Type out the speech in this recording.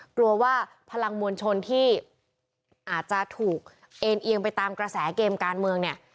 กลัวว่าพลังมวลชนที่อาจจะถูกเอ็นเอียงไปตามกระแสเกมการเมืองเนี่ย